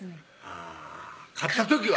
あぁ勝った時は？